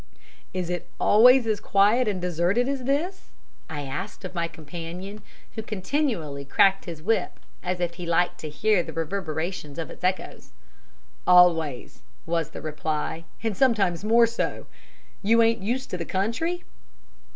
"Is it always as quiet and deserted as this?" I asked of my companion, who continually cracked his whip as if he liked to hear the reverberations of its echoes. "Always," was the reply, "and sometimes more so. You ain't used to the country?"